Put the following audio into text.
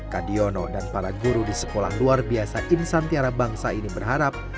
kadiono dan para guru di sekolah luar biasa insantiara bangsa ini berharap